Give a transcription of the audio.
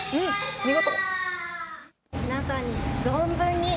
見事！